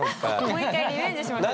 もう一回リベンジしましょう。